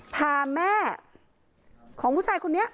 พาแม่ของผู้ชายคนนี้